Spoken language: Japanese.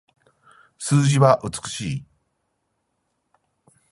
数字は美しい